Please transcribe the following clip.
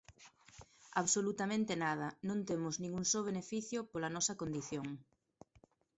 Absolutamente nada, non temos nin un só beneficio pola nosa condición.